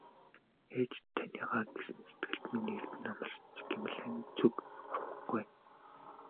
Ээж таныгаа гэсэн сэтгэл минь эрдэнэ амласан ч Гималайн зүг урвахгүй ээ.